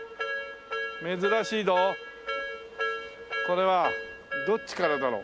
珍しいぞこれは。どっちからだろう？